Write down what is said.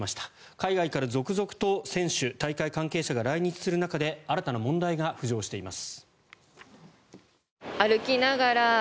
海外から続々と選手、大会関係者が来日する中で新たな問題が浮上しています。